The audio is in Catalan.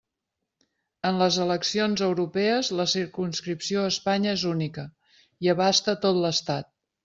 En les eleccions europees la circumscripció a Espanya és única i abasta tot l'Estat.